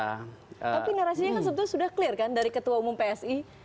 tapi narasinya kan sebetulnya sudah clear kan dari ketua umum psi